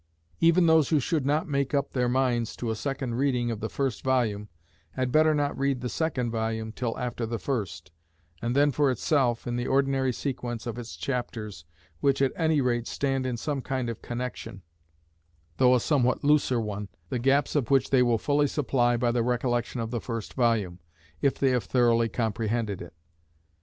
Even those who should not make up their minds to a second reading of the first volume had better not read the second volume till after the first, and then for itself, in the ordinary sequence of its chapters, which, at any rate, stand in some kind of connection, though a somewhat looser one, the gaps of which they will fully supply by the recollection of the first volume, if they have thoroughly comprehended it.